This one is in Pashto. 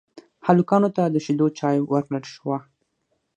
هلکانو ته د شيدو چايو ورکړل شوه.